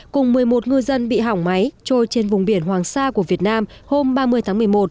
cùng một mươi một ngư dân bị hỏng máy trôi trên vùng biển hoàng sa của việt nam hôm ba mươi tháng một mươi một